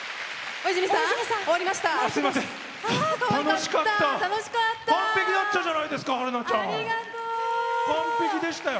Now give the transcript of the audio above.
大泉さん、終わりましたよ。